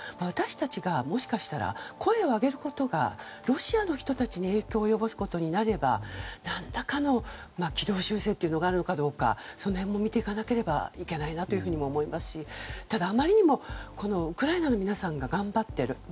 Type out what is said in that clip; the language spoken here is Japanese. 私たちが、もしかしたら声を上げることがロシアの人たちに影響を及ぼすことになれば何らかの軌道修正があるのかどうかその辺も見ていかなければいけないと思いますしただ、あまりにもウクライナの皆さんが頑張っている。